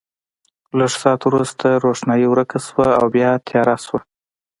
لږ ساعت وروسته روښنايي ورکه شوه او بیا تیاره شوه.